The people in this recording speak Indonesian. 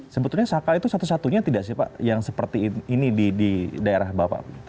sebetulnya saka itu satu satunya tidak sih pak yang seperti ini di daerah bapak